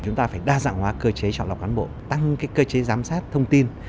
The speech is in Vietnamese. chúng ta phải đa dạng hóa cơ chế chọn lọc cán bộ tăng cơ chế giám sát thông tin